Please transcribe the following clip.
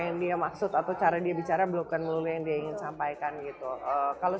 yang dia maksud atau cara dia bicara blokan mulia yang diinginkan sampaikan gitu kalau